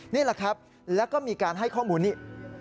นี่แหละครับแล้วก็มีการให้ข้อมูลนี้